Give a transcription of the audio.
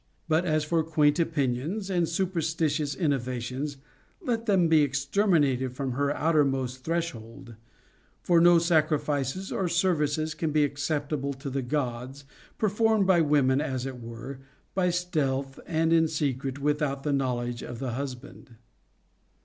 But as for quaint opinions and superstitious innovations, let them be exterminated from her outermost threshold. For no sac rifices or services can be acceptable to the Gods, performed by women, as it were, by stealth and in secret, without the knowledge of the husband.